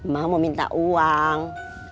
ma mau minta uang